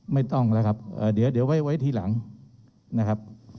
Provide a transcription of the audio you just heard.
ไม่ต้องแล้วครับเดี๋ยวไว้ทีหลังนะครับ